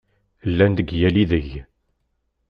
Llan deg yal ideg!